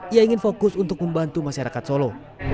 ia ingin fokus untuk membantu masyarakat solo